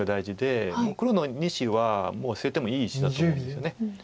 黒の２子はもう捨ててもいい石だと思うんですよね。